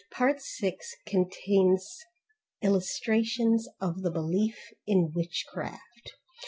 Part 6 contains illustrations of the belief in witchcraft.